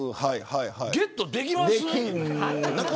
ゲットできますか。